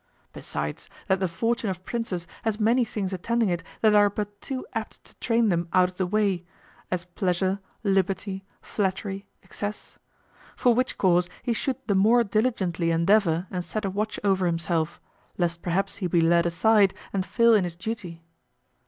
Besides, that the fortune of princes has many things attending it that are but too apt to train them out of the way, as pleasure, liberty, flattery, excess; for which cause he should the more diligently endeavor and set a watch over himself, lest perhaps he be led aside and fail in his duty.